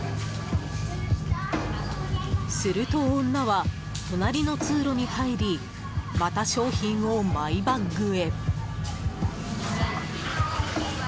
すると、女は隣の通路に入りまた商品をマイバッグへ。